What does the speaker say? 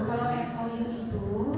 kalau mou itu